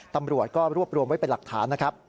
ตำรวจรวบรวมไว้เป็นหลักฐาน